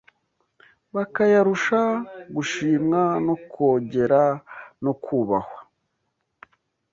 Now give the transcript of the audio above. bakayarusha “gushimwa no kogera no kubahwa